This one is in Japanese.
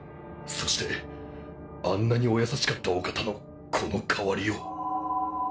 そしてあんなにお優しかったお方のこの変わりよう。